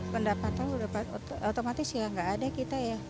pendapatan otomatis ya nggak ada kita ya